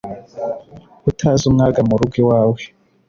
utazi umwaga mu rugo iwawe